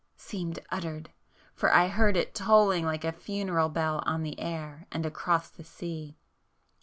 seemed uttered, for I heard it tolling like a funeral bell on the air and across the sea!